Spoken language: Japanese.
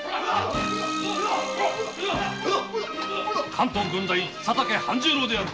関東郡代・佐竹半十郎である。